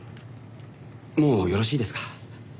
もうよろしいですか？